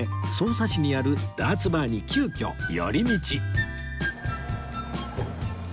匝瑳市にあるダーツバーに急きょ寄り道